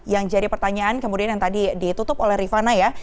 yang jadi pertanyaan kemudian yang tadi ditutup oleh rifana ya